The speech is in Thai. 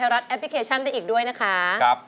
เพลงที่เจ็ดเพลงที่แปดแล้วมันจะบีบหัวใจมากกว่านี้